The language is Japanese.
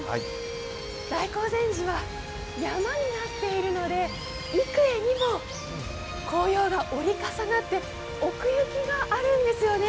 大興善寺は山になっているので、幾重にも紅葉が折り重なって奥行きがあるんですよね。